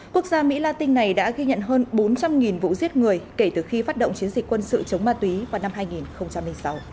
quốc gia mỹ latin này đã ghi nhận hơn bốn trăm linh vụ giết người kể từ khi phát động chiến dịch quân sự chống ma túy vào năm hai nghìn sáu